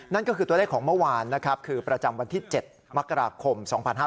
นั่นก็คือตัวเลขของเมื่อวานนะครับคือประจำวันที่๗มกราคม๒๕๕๙